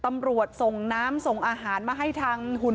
ตำรวจส่งน้ำส่งอาหารมาให้ทางหุ่น